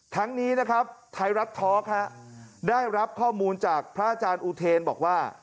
ทั้งนี้นะครับไทยรัฐทอล์กได้รับข้อมูลจากพระอาจารย์อุเทนบอกว่า